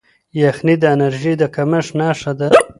یخني د انرژۍ د کمښت نښه ده.